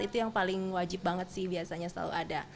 itu yang paling wajib banget sih biasanya selalu ada